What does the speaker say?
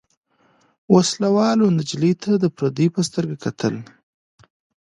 وسله والو نجلۍ ته د پردۍ په سترګه کتل.